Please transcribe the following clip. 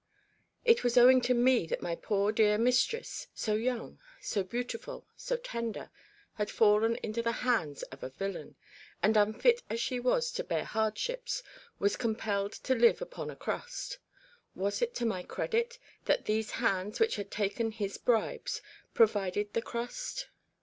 It was owing to me that my poor dear mistress, so young, so beautiful, so tender, had fallen into the hands of a villain, and unfit as she was to bear hardships, was compelled to live upon a crust. Was it to my credit that these hands which had taken his bribes, provided the crust